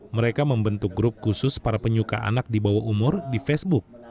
mereka membentuk grup khusus para penyuka anak di bawah umur di facebook